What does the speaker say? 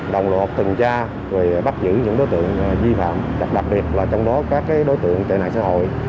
đồng độc tuần tra bắt giữ những đối tượng vi phạm đặc biệt là trong đó các đối tượng tệ nạn xã hội